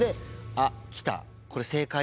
あっ来た。